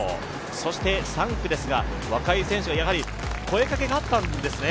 そして３区ですが、若井選手が声かけがあったんですね。